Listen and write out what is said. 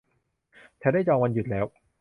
ฉันได้จองวันหยุดแล้ว